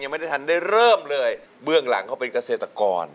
ไม่ได้ทันได้เริ่มเลยเบื้องหลังเขาเป็นเกษตรกร